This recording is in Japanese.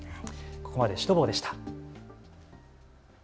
ここまでシュトボーでした。